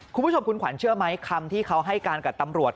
คุณผู้ชมคุณขวัญเชื่อไหมคำที่เขาให้การกับตำรวจ